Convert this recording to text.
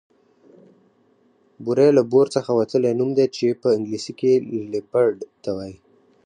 بوری له بور څخه وتلی نوم دی چې په انګليسي کې ليپرډ ته وايي